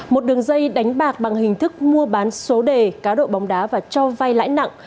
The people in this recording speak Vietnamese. một đường dây đánh bạc bằng hình thức mua bán số đề cáo độ bóng đá và cho vay lãi nặng